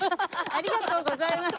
ありがとうございます。